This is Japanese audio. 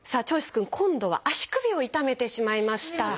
君今度は足首を痛めてしまいました。